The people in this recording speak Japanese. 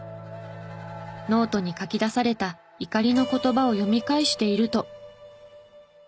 ノートに書き出された怒りの言葉を読み返していると。